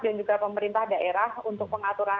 dan juga pemerintah daerah untuk pengaturan